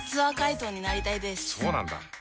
そうなんだ。